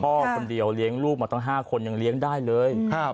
พ่อคนเดียวเลี้ยงลูกมาตั้ง๕คนยังเลี้ยงได้เลย